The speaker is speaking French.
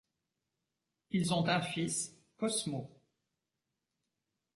Ils ont un fils, Cosmo.